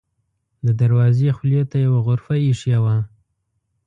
د دروازې خولې ته یوه غرفه اېښې وه.